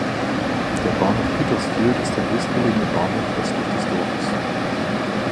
Der Bahnhof Petersfield ist der nächstgelegene Bahnhof, östlich des Dorfes.